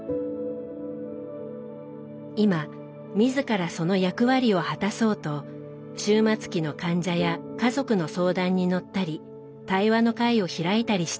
今自らその役割を果たそうと終末期の患者や家族の相談に乗ったり対話の会を開いたりしています。